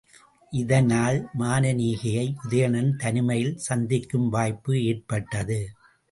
இதனால் மானனீகையை உதயணன் தனிமையில் சந்திக்கும் வாய்ப்பு ஏற்பட்டது.